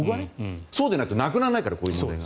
そうでないとなくならないからこういう問題が。